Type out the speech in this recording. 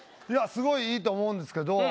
いやすごい良いと思うんですけど